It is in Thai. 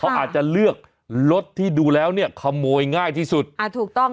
เขาอาจจะเลือกรถที่ดูแล้วเนี่ยขโมยง่ายที่สุดอ่าถูกต้อง